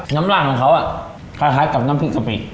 ร่างของเขาคล้ายกับน้ำพริกกะปิ